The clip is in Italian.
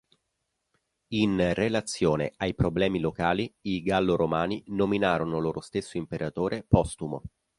In reazione ai problemi locali i gallo-romani nominarono loro stesso imperatore Postumo.